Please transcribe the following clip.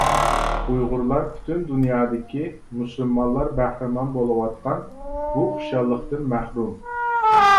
ئۇيغۇرلار پۈتۈن دۇنيادىكى مۇسۇلمانلار بەھرىمەن بولۇۋاتقان بۇ خۇشاللىقتىن مەھرۇم.